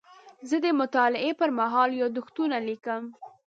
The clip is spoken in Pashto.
زه د مطالعې پر مهال یادښتونه لیکم.